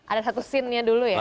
ada satu scenenya dulu ya